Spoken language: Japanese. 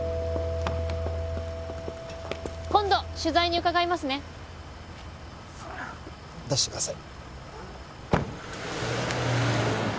今度取材に伺いますね出してください